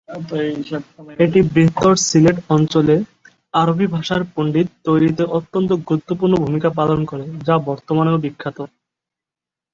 এটি বৃহত্তর সিলেট অঞ্চলে "আরবি ভাষার পণ্ডিত" তৈরিতে অত্যন্ত গুরুত্বপূর্ণ ভূমিকা পালন করে, যা বর্তমানেও বিখ্যাত।